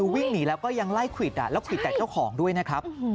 วิ่งหนีแล้วก็ยังไล่ควิดแล้วควิดแต่เจ้าของด้วยนะครับ